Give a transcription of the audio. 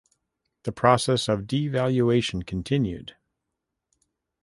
The process of devaluation continued.